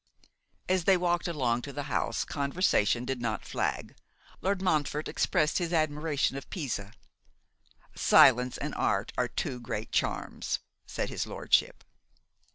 As they walked along to the house, conversation did not flag. Lord Montfort expressed his admiration of Pisa. 'Silence and art are two great charms,' said his lordship.